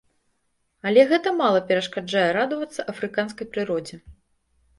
Але гэта мала перашкаджае радавацца афрыканскай прыродзе.